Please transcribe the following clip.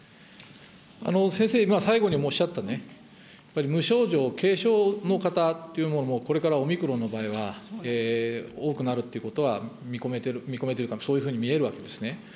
先生、今最後におっしゃったね、やっぱり無症状、軽症の方というもの、これからオミクロンの場合は、多くなるということは、見込めてる、見込めてるというか、そういうふうに見えるわけですね。